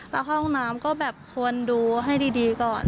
แล้วห้องน้ำก็แบบควรดูให้ดีก่อน